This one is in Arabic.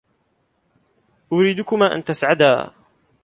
أريدكما أن تسعدا.